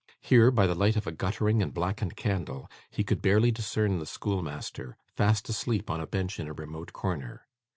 Here, by the light of a guttering and blackened candle, he could barely discern the schoolmaster, fast asleep on a bench in a remote corner.